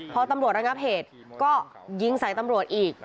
พอตำรวจระงับเหตุก็ยิงใส่ตำรวจอีก